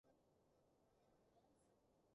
今次真係中晒伏，瀨晒撻